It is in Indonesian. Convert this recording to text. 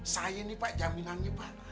saya ini pak jaminannya pak